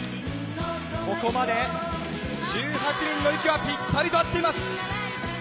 ここまで１８人の息はぴったりと合っています。